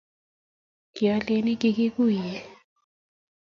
kialeni kiiguiye